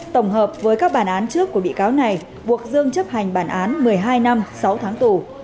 tổng hợp với các bản án trước của bị cáo này buộc dương chấp hành bản án một mươi hai năm sáu tháng tù